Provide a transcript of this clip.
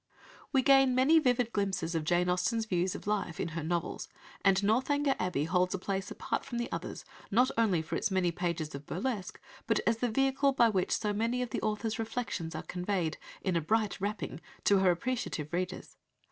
We gain many vivid glimpses of Jane Austen's views of life in her novels, and Northanger Abbey holds a place apart from the others, not only for its many pages of burlesque, but as the vehicle by which so many of the author's reflections are conveyed, in a bright wrapping, to her appreciative readers.